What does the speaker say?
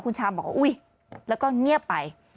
คุณชามบอกว่าอุ๊ยแล้วก็เงียบไป